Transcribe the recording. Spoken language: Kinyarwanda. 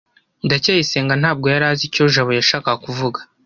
ndacyayisenga ntabwo yari azi icyo jabo yashakaga kuvuga